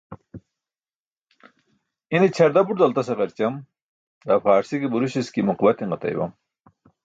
ine ćʰarda but daltas eġarćam daa faarsi ke Burushaski muqabatiṅ ġatay bam